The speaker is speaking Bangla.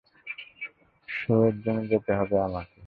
শো-এর জন্য যেতে হবে আমাকে।